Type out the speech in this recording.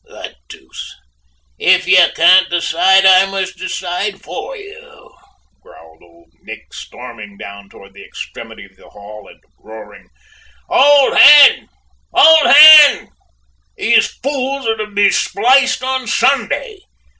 "The deuce! if you can't decide, I must decide for you," growled Old Nick, storming down toward the extremity of the hall, and roaring "Old Hen! Old Hen! These fools are to be spliced on Sunday!